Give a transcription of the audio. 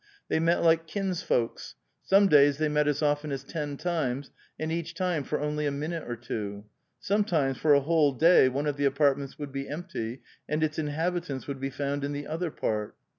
They met like kinsfolks ; some days they met as often as ten times, and each time for only a minute or two ; sometimes for a whole day one of the apartments would be empty, and its inhabi tants would be found in the other part.